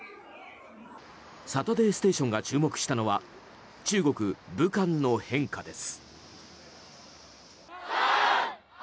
「サタデーステーション」が注目したのは中国・武漢の変化です。